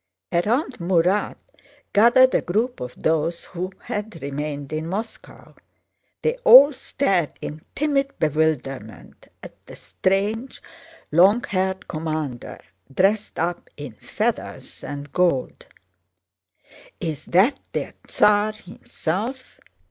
Around Murat gathered a group of those who had remained in Moscow. They all stared in timid bewilderment at the strange, long haired commander dressed up in feathers and gold. "Is that their Tsar himself?